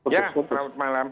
ya selamat malam